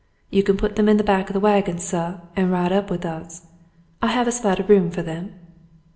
You can put them in the back of the wagon, suh, and ride up with us. I have a sight of room foh them."